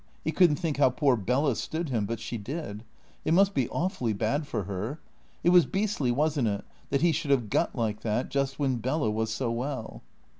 He couldn't think how poor Bella stood him, but she did. It must be awfully bad for her. It was beastly, wasn't it? that he should have got like that, just when Bella was so well.